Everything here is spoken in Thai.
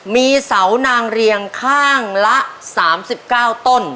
มีเสานางเรียงข้างละ๓๙ต้น